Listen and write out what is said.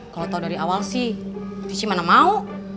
kalau tau dari awal sih cici mana mau